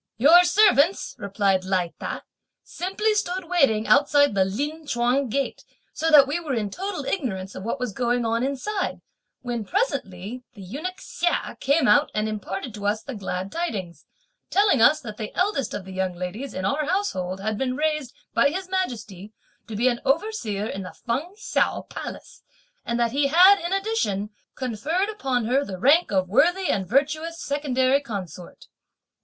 "Your servants," replied Lai Ta, "simply stood waiting outside the Lin Chuang gate, so that we were in total ignorance of what was going on inside, when presently the Eunuch Hsia came out and imparted to us the glad tidings; telling us that the eldest of the young ladies in our household had been raised, by His Majesty, to be an overseer in the Feng Ts'ao Palace, and that he had, in addition, conferred upon her the rank of worthy and virtuous secondary consort.